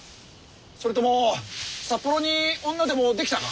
それとも札幌に女でもできたか？